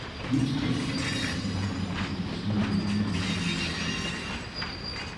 Uitkerke, as an independent village, is more than a thousand years old.